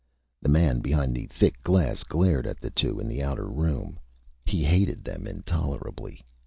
The man behind the thick glass glared at the two in the outer room. He hated them intolerably.